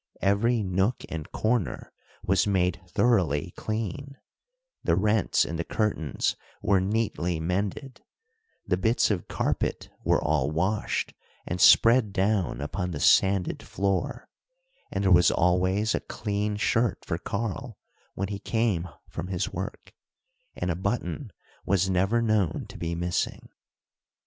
Every nook and corner was made thoroughly clean, the rents in the curtains were neatly mended, the bits of carpet were all washed and spread down upon the sanded floor, and there was always a clean shirt for Karl when he came from his work, and a button, was never known to be missing.